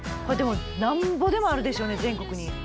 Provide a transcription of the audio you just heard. これでもなんぼでもあるでしょうね全国に。